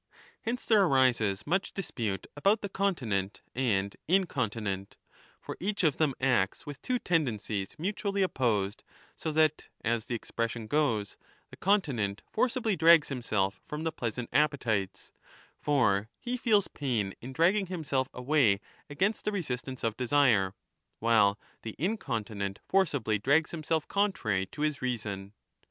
Hence there arises much dispute about the continent and incontinent, for each of them acts with two tendencies mutually opposed, so that (as the expression goes) the continent forcibly drags himself 35 from the pleasant appetites (for he feels pain in dragging himself away against the resistance of desire), while the incontinent forcibly drags himself contrary to his reason.